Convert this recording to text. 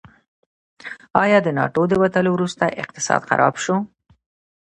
آیا د ناټو د وتلو وروسته اقتصاد خراب شو؟